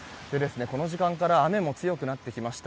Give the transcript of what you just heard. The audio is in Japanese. この時間から雨も強くなってきました。